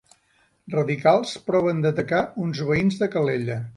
Radicals proven d'atacar uns veïns de Calella